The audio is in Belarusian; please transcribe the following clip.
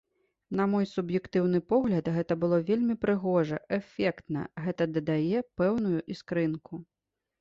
На мой суб'ектыўны погляд, гэта было вельмі прыгожа, эфектна, гэта дадае пэўную іскрынку.